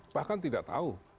bahkan tidak tahu